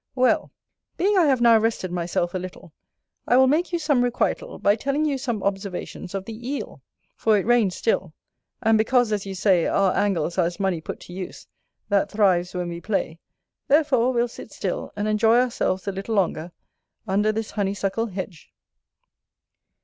Well, being I have now rested myself a little, I will make you some requital, by telling you some observations of the Eel; for it rains still: and because, as you say, our angles are as money put to use, that thrives when we play, therefore we'll sit still, and enjoy ourselves a little longer under this honeysuckle hedge.